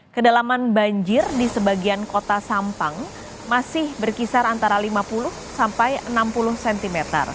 kedalaman banjir di sebagian kota sampang masih berkisar antara lima puluh sampai enam puluh cm